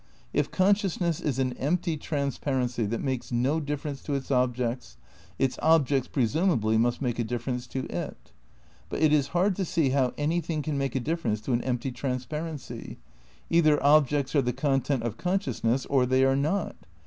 If consciousness is an empty transparency that makes no difference to its objects, its objects, presumably, must make a difference to it. But it is hard to see how anything can make a difference to an empty transparency. Either objects are the content of consciousness or they are not.